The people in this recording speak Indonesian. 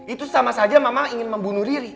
itu sama saja mama ingin membunuh riri